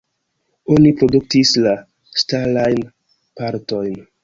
Oni produktis la ŝtalajn partojn.